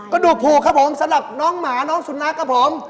กระดูกผูกครับผมสำหรับน้องหมาน้องสุนัขครับผม